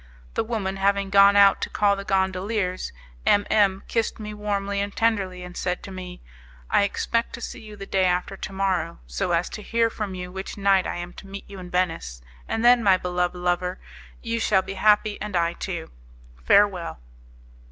The woman having gone out to call the gondoliers, M M kissed me warmly and tenderly, and said to me, "I expect to see you the day after to morrow, so as to hear from you which night I am to meet you in Venice; and then, my beloved lover, you shall be happy and I too. Farewell."